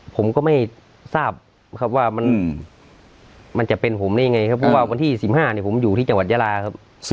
ผมก็ไม่ทราบครับว่ามันจะเป็นผมได้ยังไงครับเพราะว่าวันที่๑๕ผมอยู่ที่จังหวัดยาลาครับ